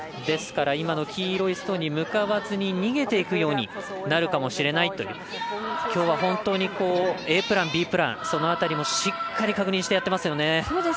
ですから、今の黄色いストーンに向かわずに逃げていくようになるかもしれないというきょうは本当にＡプラン、Ｂプラン、この辺りも確認してやってますよね。